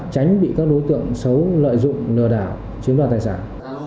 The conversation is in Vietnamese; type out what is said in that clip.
tránh bị các đối tượng xấu lợi dụng lừa đảo chiếm đoạt tài sản